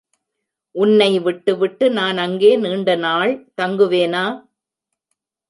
உன்னை விட்டு விட்டு நான் அங்கே நீண்ட நாள் தங்குவேனா?